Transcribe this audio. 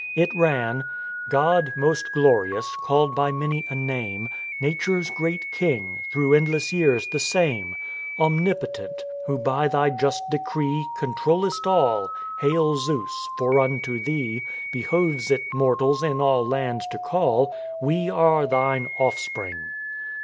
It ran :" God, most glorious, called by many a name, Nature's great King, through endless years the same; Omnipotent, who by thy just decree Controllest all, hail Zeus ! for unto thee Behoves it mortals in all lands to call. We are thine offspring."